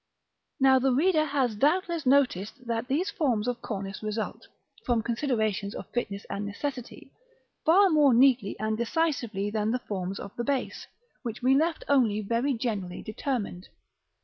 § VIII. Now the reader has doubtless noticed that these forms of cornice result, from considerations of fitness and necessity, far more neatly and decisively than the forms of the base, which we left only very generally determined.